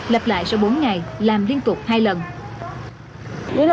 lập lại sau bốn ngày làm liên tục hai lần